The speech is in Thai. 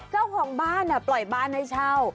เจ้าของบ้านปล่อยบ้านให้เช่า